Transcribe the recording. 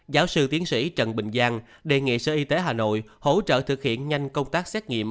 giáo sư tiến sĩ trần bình giang đề nghị sở y tế hà nội hỗ trợ thực hiện nhanh công tác xét nghiệm